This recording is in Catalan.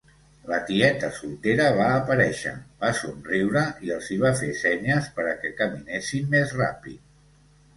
La tieta soltera va aparèixer, va somriure i els hi va fer senyes per a que caminessin més ràpid.